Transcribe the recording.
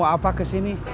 mau apa ke sini